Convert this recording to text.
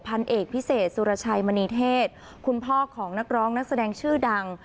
พันเอกพิเศษสุรชัยมณีเทศคุณพ่อของนักร้องนักแสดงชื่อดัง